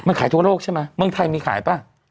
จะไปขายทั่วโลกใช่มะเบื้องไทยมีขายปะ